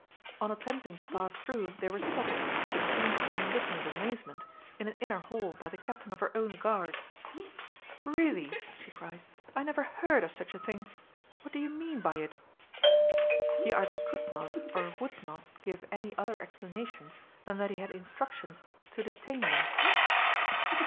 On attempting to pass through they were stopped, to the Queen's indignant amazement, in an inner hall by the Captain of her own Guards. "Really!" she cried, "I never heard of such a thing! What do you mean by it?" He either could not or would not give any other explanation than that he had instructions to detain them.